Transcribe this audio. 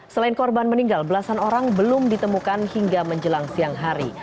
selain korban meninggal belasan orang belum ditemukan hingga menjelang siang hari